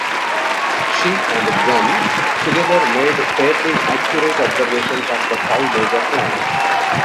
Shi and Gan together made fairly accurate observations of the five major planets.